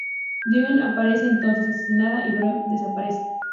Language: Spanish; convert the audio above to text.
Dinah aparece entonces asesinada y Weekly desaparece.